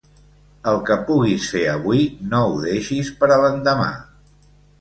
El que puguis fer avui no ho deixis per a l'endemà!